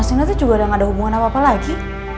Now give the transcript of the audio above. aku sama sina tuh juga gak ada hubungan apa apa lagi